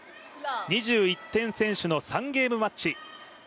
２１点先取の３ゲームマッチ。